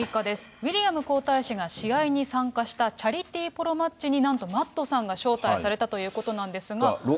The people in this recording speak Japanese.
ウィリアム皇太子が試合に参加したチャリティーポロマッチになんとＭａｔｔさんが招待されたということなんですが。